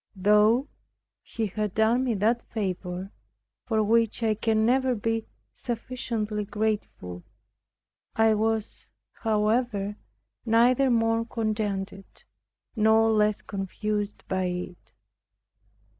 Though He had done me that favor, for which I can never be sufficiently grateful, I was, however, neither more contented nor less confused by it.